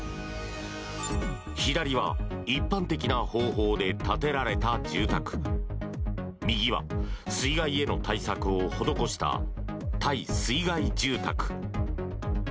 左は一般的な方法で建てられた住宅右は、水害への対策を施した耐水害住宅。